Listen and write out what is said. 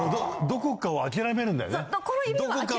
どこかの指を諦めるんだよ。